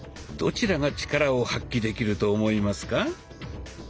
どちらがチカラを発揮できると思いますか？